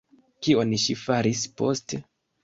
Kion ŝi faris poste?